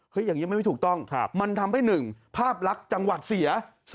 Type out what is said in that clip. อย่างนี้มันไม่ถูกต้องมันทำให้๑ภาพลักษณ์จังหวัดเสีย